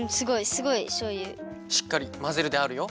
しっかりまぜるであるよ。